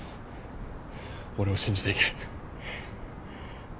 俺を信じて行け。